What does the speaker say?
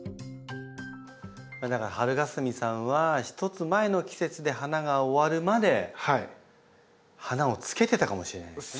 だからはるがすみさんは１つ前の季節で花が終わるまで花をつけてたかもしれないんですね。